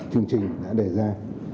chương trình đã đề ra